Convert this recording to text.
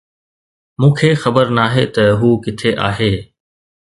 مون کي خبر ناهي ته هو ڪٿي آهي